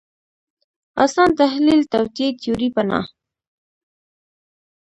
اسان تحلیل توطیې تیوري پناه